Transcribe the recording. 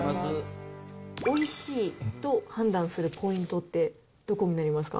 おいしいと判断するポイントってどこになりますか？